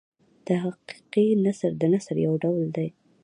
تحقیقي نثر د نثر یو ډول دﺉ.